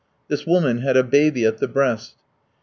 This woman had a baby at the breast.